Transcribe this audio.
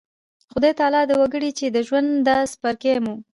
خدای تعالی د وکړي چې د ژوند دا څپرکی مو